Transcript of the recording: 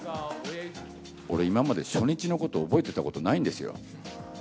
俺、今まで初日のこと、覚えてたことないんですよ。